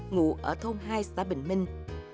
ngủ ở thôn hai xã bình minh